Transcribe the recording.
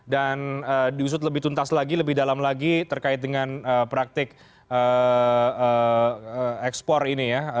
diusut lebih tuntas lagi lebih dalam lagi terkait dengan praktik ekspor ini ya